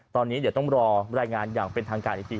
ตอนนี้เดี๋ยวต้องรอรายงานอย่างเป็นทางการอีกที